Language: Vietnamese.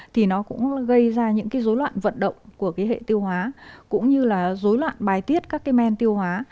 thì nó cũng gây ra những cái dối loạn vận động của cái hệ tiêu hóa cũng như là dối loạn bài tiết các cái men tiêu hóa